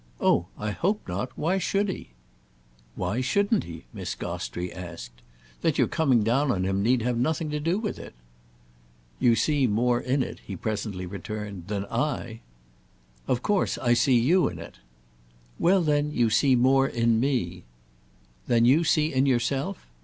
"Oh I hope not! Why should he?" "Why shouldn't he?" Miss Gostrey asked. "That you're coming down on him need have nothing to do with it." "You see more in it," he presently returned, "than I." "Of course I see you in it." "Well then you see more in 'me'!" "Than you see in yourself?